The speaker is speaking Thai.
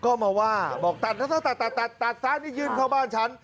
ก็มาว่าบอกตัดนี่ยืนเข้าบ้านฉัน